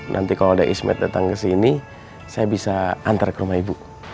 nanti kalau ada ismed datang ke sini saya bisa antar ke rumah ibu